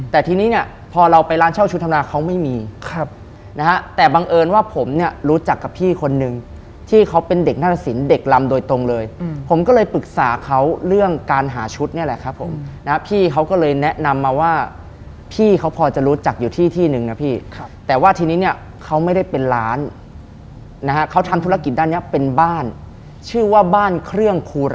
แต่ทีนี้เนี่ยพอเราไปร้านเช่าชุดธรรมดาเขาไม่มีครับนะฮะแต่บังเอิญว่าผมเนี่ยรู้จักกับพี่คนนึงที่เขาเป็นเด็กนาฏศิลป์เด็กลำโดยตรงเลยผมก็เลยปรึกษาเขาเรื่องการหาชุดเนี่ยแหละครับผมนะพี่เขาก็เลยแนะนำมาว่าพี่เขาพอจะรู้จักอยู่ที่ที่นึงนะพี่ครับแต่ว่าทีนี้เนี่ยเขาไม่ได้เป็นร้านนะฮะเขาทำธุรกิจด้านนี้เป็นบ้านชื่อว่าบ้านเครื่องคูร